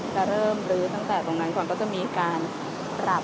จะเริ่มลื้อตั้งแต่ตรงนั้นก่อนก็จะมีการปรับ